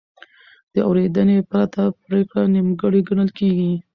د اورېدنې پرته پرېکړه نیمګړې ګڼل کېږي.